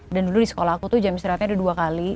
dan dulu di sekolah aku tuh jam istirahatnya ada dua kali